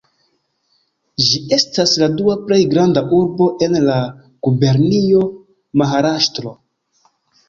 Ĝi estas la dua plej granda urbo en la gubernio Maharaŝtro.